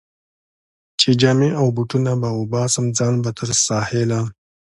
چې جامې او بوټونه به وباسم، ځان به تر ساحله.